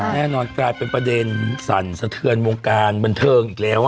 แน่นอนกลายเป็นประเด็นสั่นสะเทือนวงการบันเทิงอีกแล้ว